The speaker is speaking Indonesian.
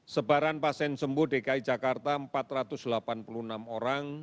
sebaran pasien sembuh dki jakarta empat ratus delapan puluh enam orang